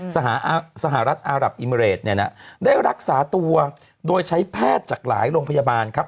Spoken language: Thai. สหรัฐอารับอิเมเรดเนี่ยนะได้รักษาตัวโดยใช้แพทย์จากหลายโรงพยาบาลครับ